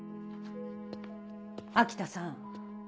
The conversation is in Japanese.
秋田さん。